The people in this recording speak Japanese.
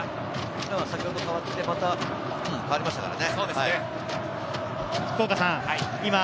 先ほど代わって、また変わりましたからね。